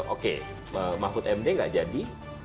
oke mahfud md nggak jadi